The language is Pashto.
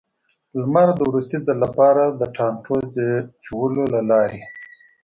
لمر د وروستي ځل لپاره، د ټانټو د چولو له لارې.